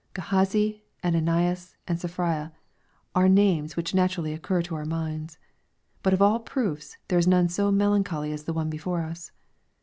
Gehazi, Ananias and Sapphiraare names which naturally occur to our minds. But of all proofs, there is none so melancholy as the one before ua.